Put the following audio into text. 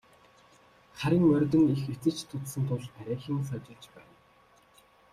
Харин морьд нь их эцэж цуцсан тул арайхийн сажилж байна.